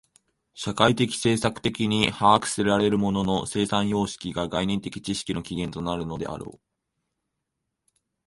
社会的制作的に把握せられる物の生産様式が概念的知識の起源となるのであろう。